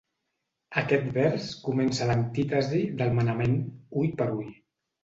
Aquest vers comença l'antítesi del manament "Ull per ull".